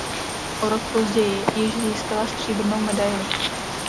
O rok později již získala stříbrnou medaili.